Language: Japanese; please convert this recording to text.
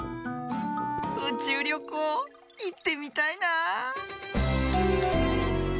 うちゅうりょこういってみたいな。